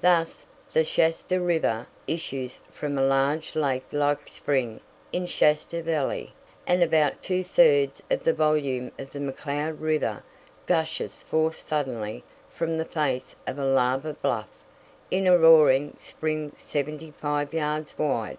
Thus the Shasta River issues from a large lake like spring in Shasta Valley, and about two thirds of the volume of the McCloud River gushes forth suddenly from the face of a lava bluff in a roaring spring seventy five yards wide.